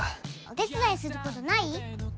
お手伝いすることない？